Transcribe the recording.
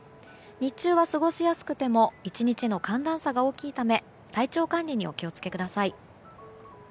日中は過ごしやすくても１日の寒暖差が大きいため体調管理にお気を付けください。